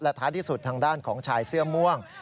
ท้ายที่สุดทางด้านของชายเสื้อม่วง